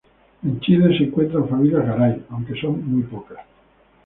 En Chile se encuentran familias Garay, aunque son muy pocas.